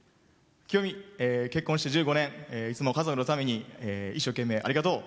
結婚して１５年いつも家族のために一生懸命ありがとう。